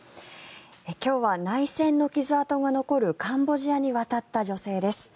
今日は内戦の傷痕が残るカンボジアに渡った女性です。